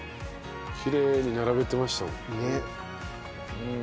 きれいに並べてましたもん。